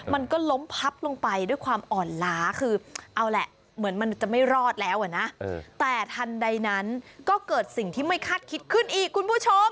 มันก็ล้มพับลงไปด้วยความอ่อนล้าคือเอาแหละเหมือนมันจะไม่รอดแล้วอ่ะนะแต่ทันใดนั้นก็เกิดสิ่งที่ไม่คาดคิดขึ้นอีกคุณผู้ชม